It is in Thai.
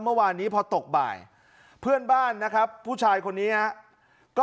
เมื่อวานนี้พอตกบ่ายเพื่อนบ้านนะครับผู้ชายคนนี้ครับก็